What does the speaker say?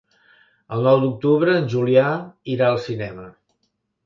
El nou d'octubre en Julià irà al cinema.